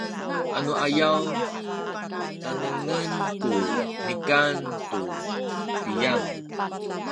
anuayaw tanengen ku nikan tu piyang